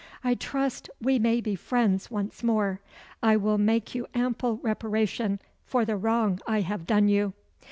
I trust we may be friends once more. I will make you ample reparation for the wrong I have done you."